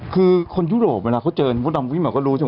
คือคนยุโรปเวลาเขาเจอมุมดำวิเหมือนก็รู้